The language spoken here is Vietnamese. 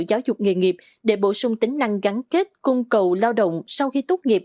giáo dục nghề nghiệp để bổ sung tính năng gắn kết cung cầu lao động sau khi tốt nghiệp